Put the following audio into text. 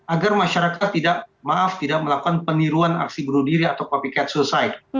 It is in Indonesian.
agar masyarakat tidak maaf tidak melakukan peniruan aksi bunuh diri atau copycat society